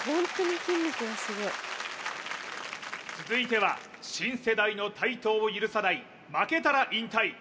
続いては新世代の台頭を許さない負けたら引退！